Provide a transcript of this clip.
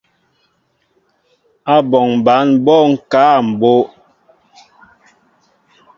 Áɓɔŋ ɓăn ɓɔ ŋkă a mbóʼ.